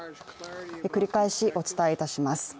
繰り返しお伝えいたします。